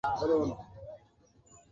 Arnold কই তুই, এক্ষুণি আয়।